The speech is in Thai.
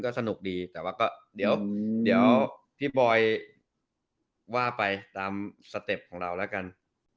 สนุกดีแต่ว่าก็เดี๋ยวพี่บอยว่าไปตามสเต็ปของเราแล้วกัน